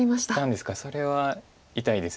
それは痛いです。